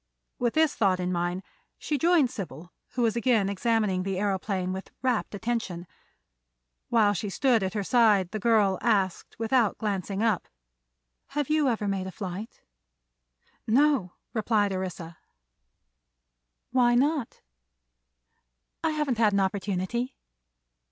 With this thought in mind she joined Sybil, who was again examining the aëroplane with rapt attention. While she stood at her side the girl asked, without glancing up: "Have you ever made a flight?" "No," replied Orissa. "Why not?" "I haven't had an opportunity."